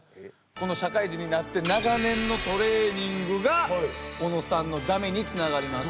この社会人になって長年のトレーニングが小野さんのだめにつながります。